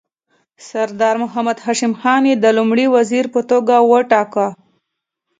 سردار محمد هاشم خان یې د لومړي وزیر په توګه وټاکه.